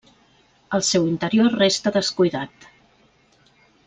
El seu interior resta descuidat.